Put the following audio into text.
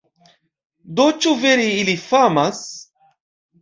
Do ĉu vere ili famas?